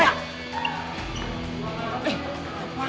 eh apaan sih